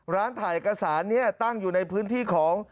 ร้านถ่ายเอกสารนี้ตั้งอยู่ในพื้นที่ของ